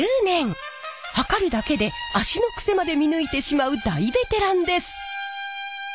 測るだけで足の癖まで見抜いてしまう大ベテランです！